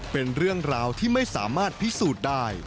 เป็นเรื่องราวที่ไม่สามารถพิสูจน์ได้